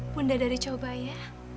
bunda dari coba ya